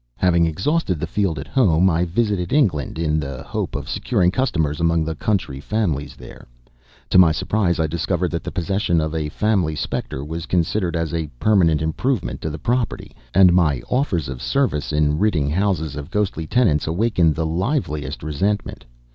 Having exhausted the field at home, I visited England in the hope of securing customers among the country families there. To my surprise, I discovered that the possession of a family specter was considered as a permanent improvement to the property, and my offers of service in ridding houses of ghostly tenants awakened the liveliest resentment.